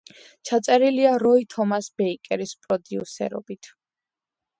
ჩაწერილია როი თომას ბეიკერის პროდიუსერობით.